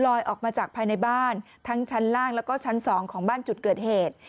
ออกมาจากภายในบ้านทั้งชั้นล่างแล้วก็ชั้น๒ของบ้านจุดเกิดเหตุ